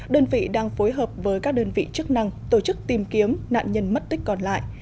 đơn vị đang phối hợp với các đơn vị chức năng tổ chức tìm kiếm nạn nhân mất tích còn lại